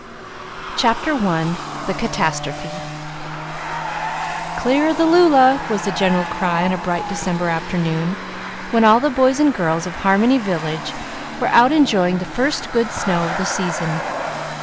Chapter I. The Catastrophe "Clear the lulla!" was the general cry on a bright December afternoon, when all the boys and girls of Harmony Village were out enjoying the first good snow of the season.